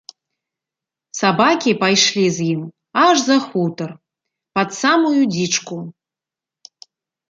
Сабакі пайшлі з ім аж за хутар, пад самую дзічку.